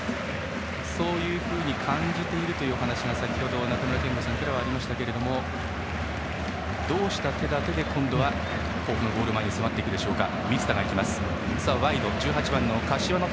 そういうふうに感じているというお話が先ほど中村憲剛さんからありましたがどういった手立てで今度は甲府のゴール前に迫っていくでしょうか。